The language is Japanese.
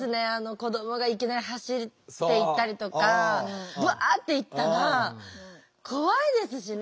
子どもがいきなり走っていったりとかバッて行ったら怖いですしね。